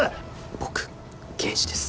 僕刑事です。